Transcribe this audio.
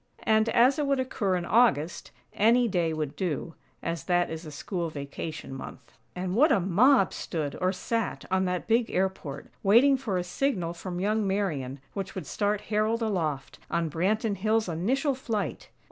And, as it would occur in August, any day would do, as that is a school vacation month. And what a mob stood, or sat, on that big airport, waiting for a signal from young Marian which would start Harold aloft, on Branton Hills' initial flight!